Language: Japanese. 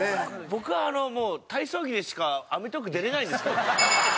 僕はもう体操着でしか『アメトーーク』出れないんですか？